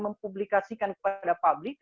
mempublikasikan kepada publik